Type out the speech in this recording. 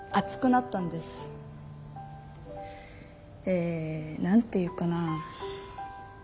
え何て言うかな。